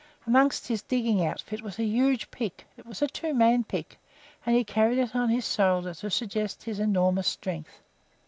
Among his digging outfit was a huge pick; it was a two man pick, and he carried it on his shoulder to suggest his enormous strength.